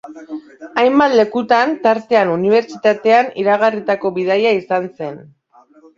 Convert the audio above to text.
Hainbat lekutan, tartean unibertsitatean, iragarritako bidaia izan zen.